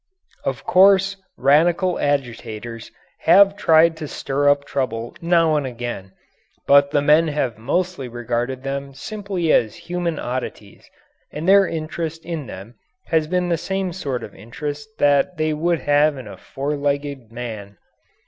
Of course radical agitators have tried to stir up trouble now and again, but the men have mostly regarded them simply as human oddities and their interest in them has been the same sort of interest that they would have in a four legged man.